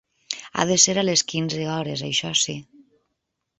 Ha de ser a les quinze hores, això sí.